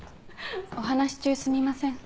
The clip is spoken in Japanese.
お話し中すみません。